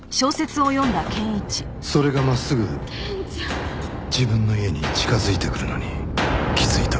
それが真っすぐ自分の家に近づいてくるのに気づいた。